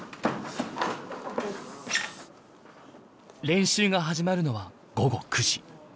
練習が始まるのは午後９時。